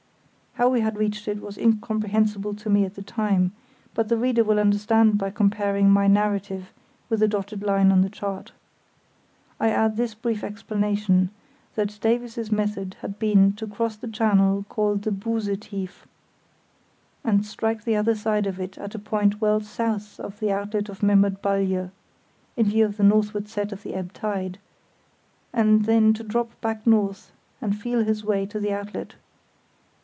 How we had reached it was incomprehensible to me at the time, but the reader will understand by comparing my narrative with the dotted line on the chart. I add this brief explanation, that Davies's method had been to cross the channel called the Buse Tief, and strike the other side of it at a point well south of the outlet of the Memmert Balje (in view of the northward set of the ebb tide), and then to drop back north and feel his way to the outlet.